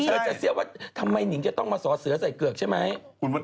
เธอจะเสี้ยวว่าทำไมหนิงจะต้องมาสอเสือใส่เกือกใช่ไหม